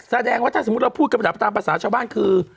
แสดงว่าถ้าสมมุติเราพูดกำดับตามภาษาชาวบ้านคือ